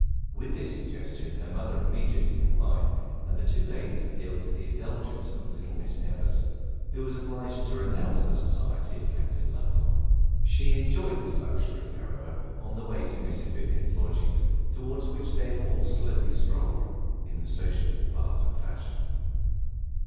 With this suggestion her mother immediately complied, and the two ladies appealed to the indulgence of little Miss Evers, who was obliged to renounce the society of Captain Lovelock. She enjoyed this luxury, however, on the way to Mrs. Vivian's lodgings, toward which they all slowly strolled, in the sociable Baden fashion.